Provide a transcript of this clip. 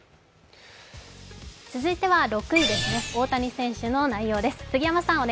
続いては６位です、大谷選手の内容です。